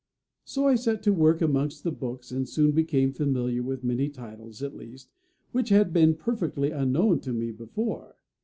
So I set to work amongst the books, and soon became familiar with many titles at least, which had been perfectly unknown to me before.